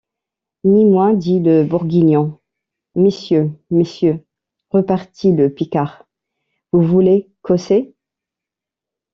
Ni moy! dit le Bourguignon. — Messieurs, messieurs ! repartit le Picard, vous voulez gausser.